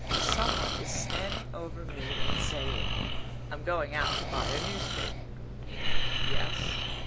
Someone is standing over me and saying "I'm going out to buy a newspaper." "Yes?"